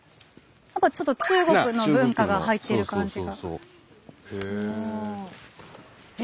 やっぱちょっと中国の文化が入ってる感じが。